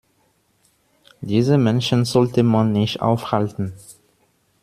Diese Menschen sollte man nicht aufhalten.